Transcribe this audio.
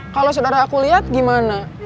kalau saudara aku lihat gimana